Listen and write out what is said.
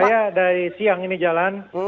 saya dari siang ini jalan